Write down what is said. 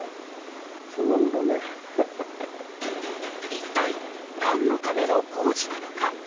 一体、何のための工事なのか。